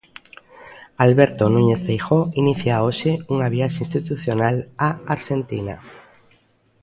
Alberto Núñez Feijóo inicia hoxe unha viaxe institucional á Arxentina.